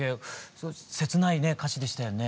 すごい切ないね歌詞でしたよね。